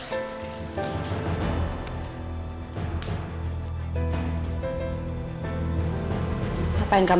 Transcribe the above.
jadi selalu sayang banget